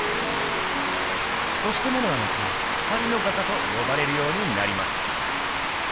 そしてモネは後に「光の画家」と呼ばれるようになります。